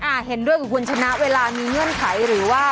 เห็นด้วยกับคุณชนะเวลามีเงื่อนไขหรือว่า